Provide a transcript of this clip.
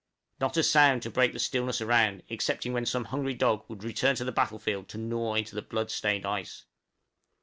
Not a sound to break the stillness around, excepting when some hungry dog would return to the battlefield to gnaw into the blood stained ice.